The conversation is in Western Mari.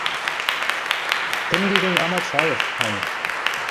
Тӹнге гӹнь амат шайышт, – маньы.